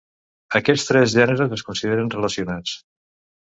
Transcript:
Aquests tres gèneres es consideren relacionats.